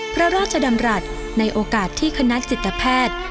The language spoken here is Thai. พระราชดำรัฐในโอกาสที่คณะจิตแพทย์